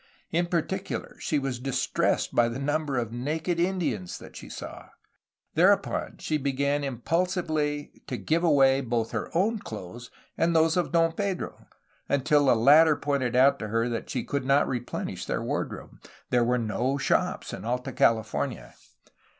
In particular she was distressed by the number of naked Indians that she saw. Thereupon she began im pulsively to give away both her own clothes and those of Don Pedro, until the latter pointed out to her that she could not replenish their wardrobe; there were no shops in Alta California.